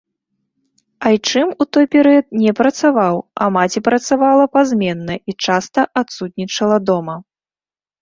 Айчым ў той перыяд не працаваў, а маці працавала пазменна і часта адсутнічала дома.